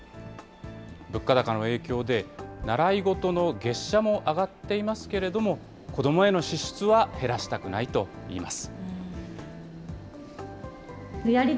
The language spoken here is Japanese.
物価高の影響で、習い事の月謝も上がっていますけれども、子どもへの支出は減らしたくないといいます。